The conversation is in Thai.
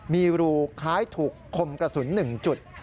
มีรูคล้ายถูกคมกระสุน๑จุด